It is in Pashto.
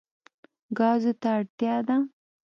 ګازو ته اړتیا ده.